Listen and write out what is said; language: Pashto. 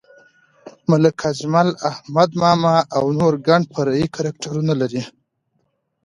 ملک اجمل، احمد ماما او نور ګڼ فرعي کرکټرونه لري.